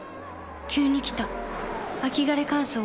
急に来た秋枯れ乾燥。